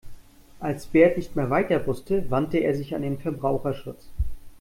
Als Bert nicht mehr weiter wusste, wandte er sich an den Verbraucherschutz.